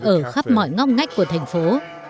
ở khắp mọi ngóc ngách của thành phố